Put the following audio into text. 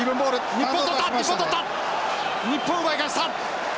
日本奪い返した！